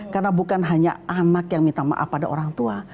karena bukan hanya anak yang minta maaf kepada orang tua